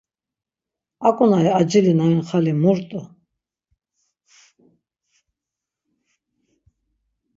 Aǩonari acili na ren xali mu rt̆u?